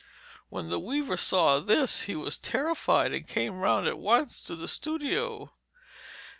When the weaver saw this he was terrified, and came round at once to the studio.